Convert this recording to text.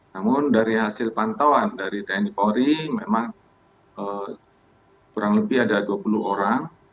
namun dari hasil pantauan dari tni polri memang kurang lebih ada dua puluh orang